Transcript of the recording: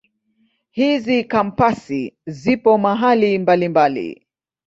Hizi Kampasi zipo mahali mbalimbali.